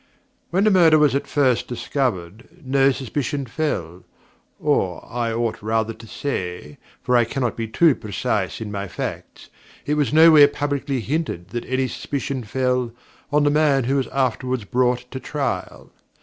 When the murder was first discovered, no suspicion fell or I ought rather to say, for I cannot be too precise in my facts, it was nowhere publicly hinted that any suspicion fell on the man who was afterwards brought to trial.